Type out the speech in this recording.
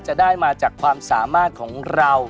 จะได้มาจากความสามารถของเรา